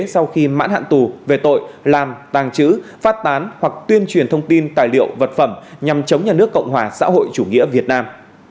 sau khi mãn hạn tù về tội làm tàng trữ phát tán hoặc tuyên truyền thông tin tài liệu vật phẩm nhằm chống nhà nước cộng hòa xã hội chủ nghĩa việt nam